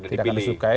tidak akan disukai